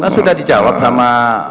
sudah dijawab sama